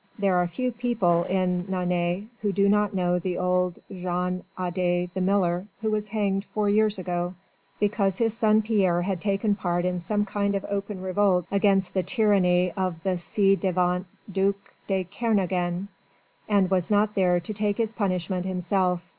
There are few people in Nantes who do not know that old Jean Adet, the miller, was hanged four years ago, because his son Pierre had taken part in some kind of open revolt against the tyranny of the ci devant duc de Kernogan, and was not there to take his punishment himself.